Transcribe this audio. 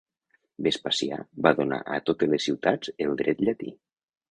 Vespasià va donar a totes les ciutats el dret llatí.